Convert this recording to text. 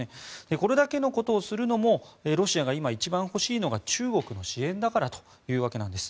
これだけのことをするのもロシアが今、一番欲しいのが中国の支援だからというわけなんです。